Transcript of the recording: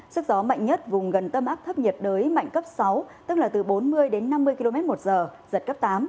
sức gió mạnh nhất vùng gần tâm áp thấp nhiệt đới mạnh cấp sáu tức là từ bốn mươi đến năm mươi km một giờ giật cấp tám